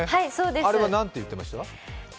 あれは何て言ってました？